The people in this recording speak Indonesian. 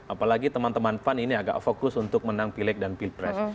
apalagi teman teman pan ini agak fokus untuk menang pileg dan pilpres